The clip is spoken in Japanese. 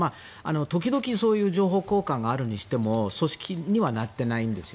時々そういう情報交換があるにしても組織にはなっていないんです。